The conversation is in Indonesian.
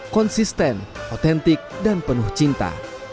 konsisten otentik dan penuh cinta